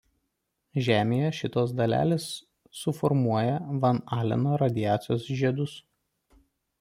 Žemėje šitos dalelės suformuoja Van Aleno radiacijos žiedus.